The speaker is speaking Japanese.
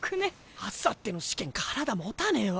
あさっての試験体もたねぇわ！